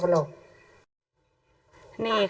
เดี๋ยวลองฟังดูนะครับ